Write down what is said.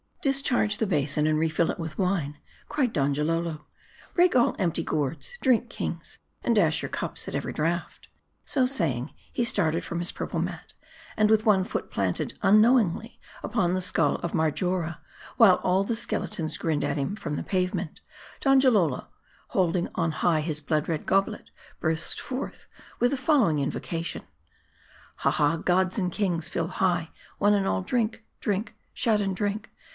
" Discharge the basin, and refill it with wine," cried Donjalolo. " Break all empty gourds ! Drink, kings, and dash your cups at every draught." So saying, he started from his purple mat ; and with one foot planted unknowingly "upon the skull of Marjora ; while all' the skeletons grinned at him from the pavement ; Don jalolo, holding on high his blood red goblet, burst forth with the following invocation : Ha, ha, gods and kings ; fill high, one and all ; Drink, drink ! shout and drink